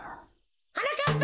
はなかっぱ！